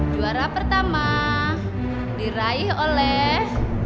juara pertama diraih oleh